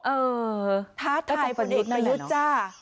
เออได้ต้องประยุทธ์นั่นแหละเนอะ